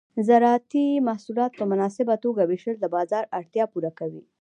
د زراعتي محصولات په مناسبه توګه ویشل د بازار اړتیا پوره کوي.